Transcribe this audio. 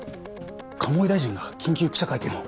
鴨井大臣が緊急記者会見を。